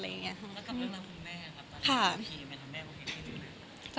แล้วทำเรื่องรอบครับคุณแม่อ่ะครับ